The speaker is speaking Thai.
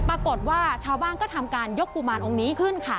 ปรากฏว่าชาวบ้านก็ทำการยกกุมารองค์นี้ขึ้นค่ะ